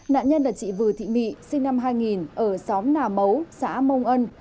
nạn nhân là chị vừa thị mỹ sinh năm hai nghìn ở xóm nà mấu xã mông ân